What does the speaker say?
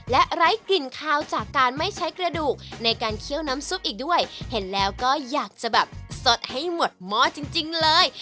และไร้กลิ่นคาวจากการไม่ใช้กระดูกในการเคี่ยวน้ำซุปอีกด้วยเห็นแล้วก็อยากจะแบบสดให้หมดหม้อจริงจริงเลย